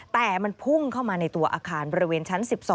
แต่มันพุ่งเข้ามาในตัวอาคารบริเวณชั้น๑๒